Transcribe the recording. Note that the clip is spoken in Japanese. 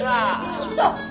ちょっと！